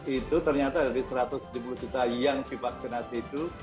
itu ternyata dari satu ratus tujuh puluh juta yang divaksinasi itu